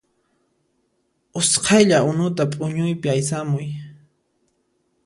Usqhaylla unuta p'uñuypi aysamuy